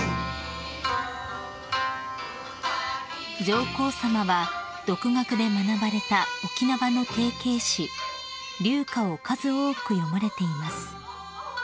［上皇さまは独学で学ばれた沖縄の定型詩琉歌を数多く詠まれています］